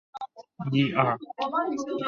新安人。